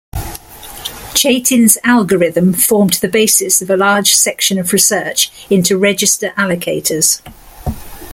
Chaitin's algorithm formed the basis of a large section of research into register allocators.